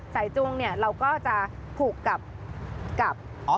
สายจูงเนี่ยเราก็จะผูกกับตัวพอ